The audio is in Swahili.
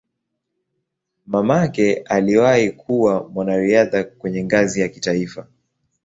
Mamake aliwahi kuwa mwanariadha kwenye ngazi ya kitaifa.